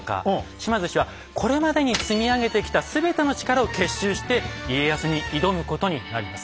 島津氏はこれまでに積み上げてきた全ての力を結集して家康に挑むことになります。